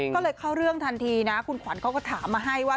ก็เลยเข้าเรื่องทันทีนะคุณขวัญเขาก็ถามมาให้ว่า